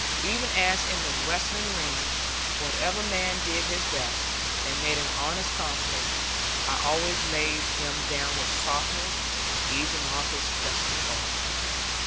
Even as in the wrestling ring, whatever man did his best, and made an honest conflict, I always laid him down with softness, easing off his dusty fall.